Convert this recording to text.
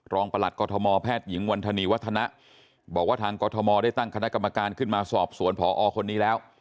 ประหลัดกรทมแพทย์หญิงวันธนีวัฒนะบอกว่าทางกรทมได้ตั้งคณะกรรมการขึ้นมาสอบสวนพอคนนี้แล้ว